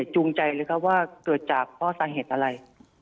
จูงใจเลยครับว่าเกิดจากเพราะสาเหตุอะไร